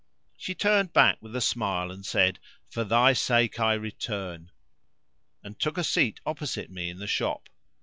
She turned back with a smile and said, "For thy sake I return," and took a seat opposite me in the shop.